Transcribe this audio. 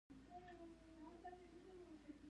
ایا ستاسو غوږونه له غیبت پاک دي؟